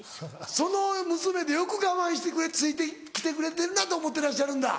その娘でよく我慢してついて来てくれてるなと思ってらっしゃるんだ。